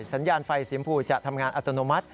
สัญญาณไฟสีมพูจะทำงานอัตโนมัติ